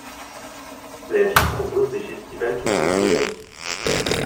La ville propose des festivals tout au long de l'année.